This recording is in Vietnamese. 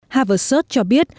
haverset cho biết